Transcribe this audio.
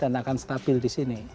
dan akan stabil di sini